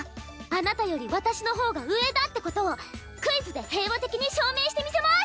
あなたより私の方が上だってことをクイズで平和的に証明してみせます。